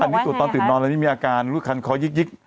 อันนี้ตรวจตอนตื่นนอนแล้วนี่มีอาการลูกคันคอยิก